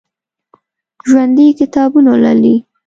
ژوندي کتابونه لولي